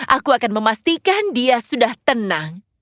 aku akan memastikan dia sudah tenang